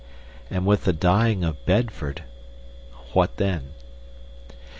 And with the dying of Bedford—what then?